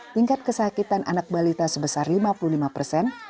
tingkat kesakitan anak balita sebesar lima puluh lima persen